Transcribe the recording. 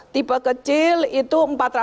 tipe kecil itu empat ratus enam puluh tiga